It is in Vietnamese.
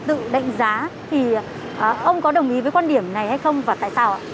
tự đánh giá thì ông có đồng ý với quan điểm này hay không và tại sao ạ